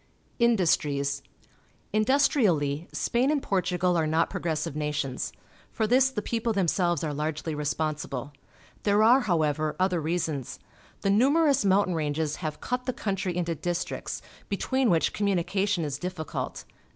Industries. — Industrially, Spain and Portu gal are not progressive nations. For this SPAIN AND PORTUGAL 195 the people themselves are largely responsible. There are, ho\\ever, other reasons. The numerous mountain ranges have cut the country into districts, between which com munication is difficult.